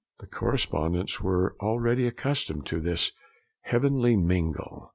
The correspondents were already accustomed to this 'heavenly mingle.'